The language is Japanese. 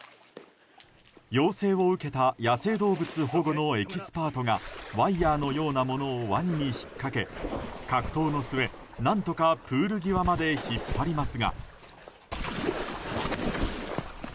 要請を受けた野生動物保護のエキスパートがワイヤのようなものをワニに引っ掛け格闘の末、何とかプール際まで引っ張りますが。